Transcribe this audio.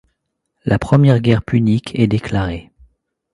La première guerre punique est déclarée.